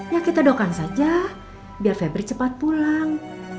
ya kita doakan saja biar febri cepat pulang